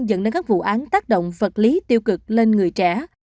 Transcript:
dẫn đến các vụ án tác động vật lý tiêu cực lên người trẻ